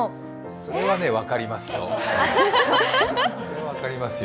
そこまで分かりますよ。